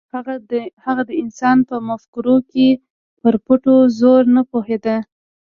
هغه د انسان په مفکورو کې پر پټو زرو نه پوهېده.